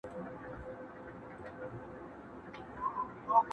په كوڅو كي يې زموږ پلونه بېګانه دي!